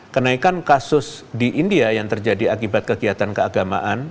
kenaikan kasus di india yang terjadi akibat kegiatan keagamaan